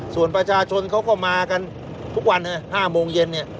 ส่วนประชาชนเขาก็มากันทุกวัน๕โมงเย็นเนี่ย